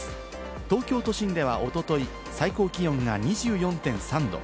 東京都心ではおととい、最高気温が２４．３度。